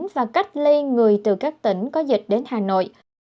và cách ly người từ các tỉnh có dịch đến hà nội